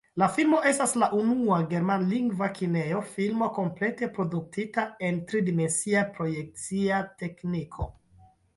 La filmo estas la unua germanlingva kineja filmo komplete produktita en tridimensia projekcia tekniko.